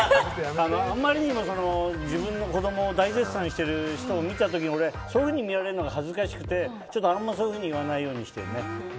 あまりにも自分の子供を大絶賛している親を見た時に俺、そういうふうに見られるのが恥ずかしくてあんまりそういうふうに言わないようにしてるね。